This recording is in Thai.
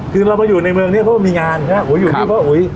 คือเรามาอยู่ในเมืองเนี่ยเพราะมีงานอยู่ที่เพราะอุ๊ย